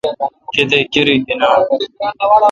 کتیک کرائ گینان؟